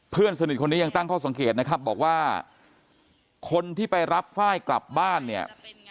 เพื่อนสนิทคนนี้ยังตั้งข้อสังเกตนะครับบอกว่าคนที่ไปรับไฟล์กลับบ้านเนี่ย